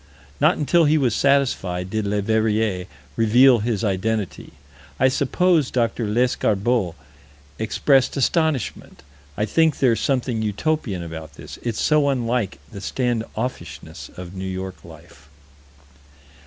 Not until he was satisfied, did Leverrier reveal his identity. I suppose Dr. Lescarbault expressed astonishment. I think there's something utopian about this: it's so unlike the stand offishness of New York life.